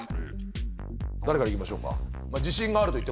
誰からいきましょうか？